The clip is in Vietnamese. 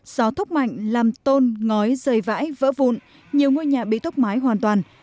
gió thóc mạnh làm tôn ngói rơi vãi vỡ vụn nhiều ngôi nhà bị tốc mái hoàn toàn